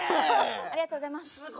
ありがとうございます。